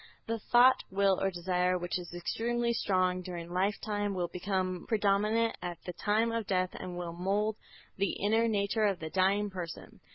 "The thought, will or desire which is extremely strong during lifetime, will become predominant at the time of death and will mould the inner nature of the dying person.